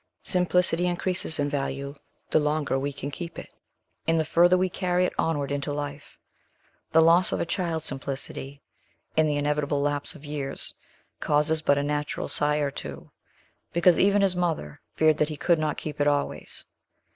Simplicity increases in value the longer we can keep it, and the further we carry it onward into life; the loss of a child's simplicity, in the inevitable lapse of years, causes but a natural sigh or two, because even his mother feared that he could not keep it always.